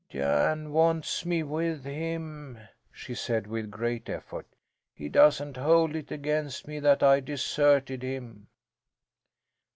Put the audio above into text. "Jan wants me with him," she said, with great effort. "He doesn't hold it against me that I deserted him."